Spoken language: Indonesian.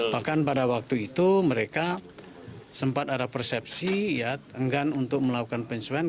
bahkan pada waktu itu mereka sempat ada persepsi enggak untuk melakukan pensiunan